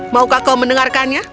maukah kau mendengarkannya